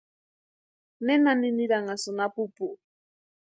¿Nena niniranhasïni apupu?